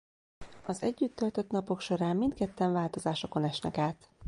Az együtt töltött napok során mindketten változásokon esnek át.